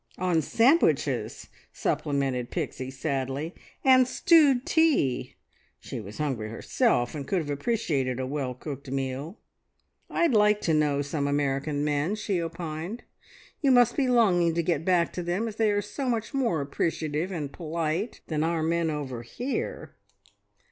"On sandwiches!" supplemented Pixie sadly, "and stewed tea!" She was hungry herself, and could have appreciated a well cooked meal. "I'd like to know some American men," she opined. "You must be longing to get back to them, as they are so much more appreciative and polite than our men over here!"